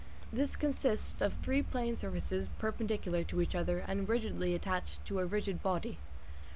This consists of three plane surfaces perpendicular to each other and rigidly attached to a rigid body.